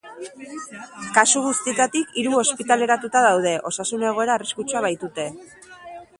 Kasu guzitietatik hiru ospitaleratuta daude, osasun egoera arriskutsua baitute.